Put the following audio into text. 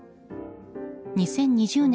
２０２０年